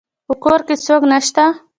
په کور کې څوک نشته